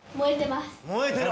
・燃えてる？